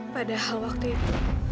padahal waktu itu